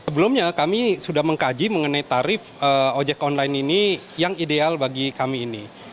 sebelumnya kami sudah mengkaji mengenai tarif ojek online ini yang ideal bagi kami ini